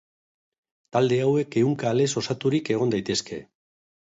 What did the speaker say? Talde hauek ehunka alez osaturik egon daitezke.